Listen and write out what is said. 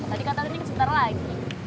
tadi kan tadi nanti sebentar lagi